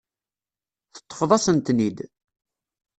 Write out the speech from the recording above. Teṭṭfeḍ-asen-ten-id.